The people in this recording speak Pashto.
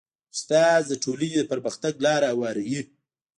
استاد د ټولنې د پرمختګ لاره هواروي.